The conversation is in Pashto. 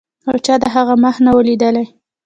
خو چا د هغه مخ نه و لیدلی.